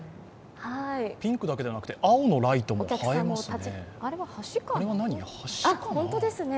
ピンクだけではなくて青のライトも映えますね？